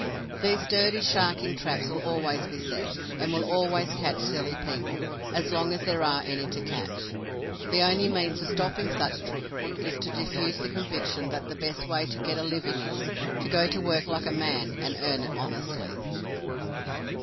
These dirty sharking traps will always be set, and will always catch silly people, as long as there are any to catch. The only means of stopping such trickery is to diffuse the conviction that the best way to get a living is, to go to work like a man and earn it honestly.